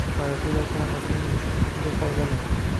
Klaviaturaga qaramasdan yozish ilmi juda foydali